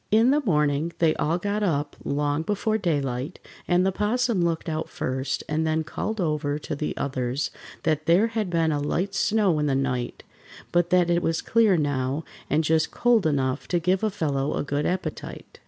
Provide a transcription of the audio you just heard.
In the morning they all got up long before daylight, and the 'Possum looked out first and then called over to the others that there had been a light snow in the night, but that it was clear now and just cold enough to give a fellow a good appetite.